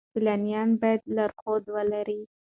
سیلانیان باید لارښود ولرئ.